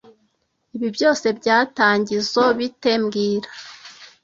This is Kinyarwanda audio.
Ibi byose byatangizoe bite mbwira